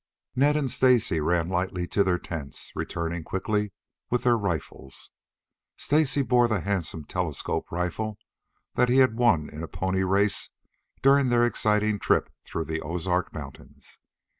Ned and Stacy ran lightly to their tents, returning quickly with their rifles. Stacy bore the handsome telescope rifle that he had won in a pony race during their exciting trip through the Ozark Mountains.